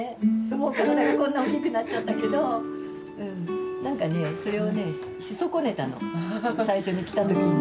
もう体がこんな大きくなっちゃったけどうん何かねそれをねし損ねたの最初に来た時に。